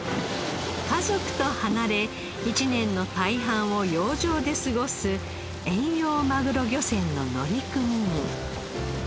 家族と離れ一年の大半を洋上で過ごす遠洋マグロ漁船の乗組員。